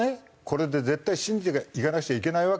これで絶対信じていかなくちゃいけないわけだよ。